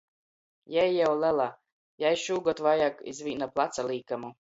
Jei jau lela, jai šūgod vajag iz vīna placa līkamu.